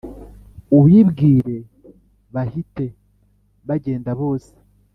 ubibwire bahite bagenda bose